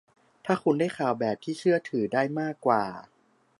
ถ้าคุณได้ข่าวแบบที่เชื่อถือได้มากว่า